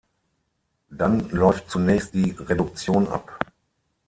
Dann läuft zunächst die Reduktion ab.